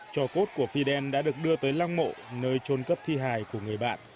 cho cốt của fidel đã được đưa tới lang mộ nơi trôn cấp thi hài của người bạn